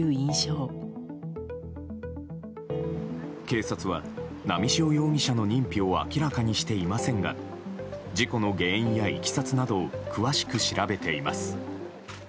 警察は波汐容疑者の認否を明らかにしていませんが事故の原因や、いきさつなどを詳しく調べています。